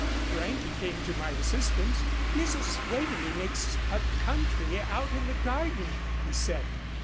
Frankie came to my assistance. 'Mrs. Waverlee makes a country out in the garden,' he said.